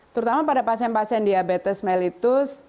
terutama pada pasien pasien diabetes mellitus